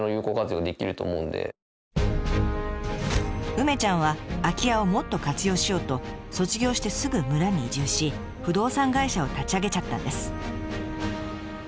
梅ちゃんは空き家をもっと活用しようと卒業してすぐ村に移住し不動産会社を立ち上げちゃったんです。